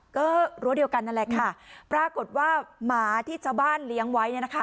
ก็รั้วเดียวกันนั่นแหละค่ะปรากฏว่าหมาที่ชาวบ้านเลี้ยงไว้เนี่ยนะคะ